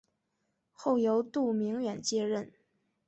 后由杜明远接任。